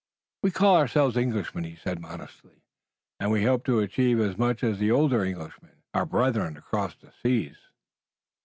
"We call ourselves Englishmen," he said modestly, "and we hope to achieve as much as the older Englishmen, our brethren across the seas."